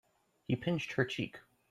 He pinched her cheek.